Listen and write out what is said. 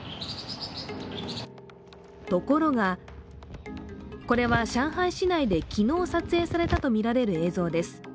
ところがこれは上海市内で昨日撮影されたとみられる映像です。